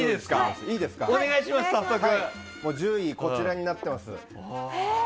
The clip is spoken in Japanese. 順位はこちらになっています。